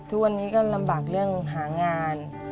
ทุกวันนี้ก็ลำบากเรื่องหางาน